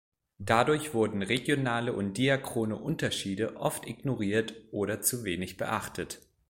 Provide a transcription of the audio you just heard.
Dadurch wurden regionale und diachrone Unterschiede oft ignoriert oder zu wenig beachtet.